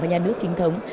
và nhà nước chính thống